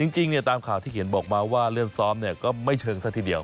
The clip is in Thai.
จริงตามข่าวที่เขียนบอกมาว่าเรื่องซ้อมก็ไม่เชิงซะทีเดียว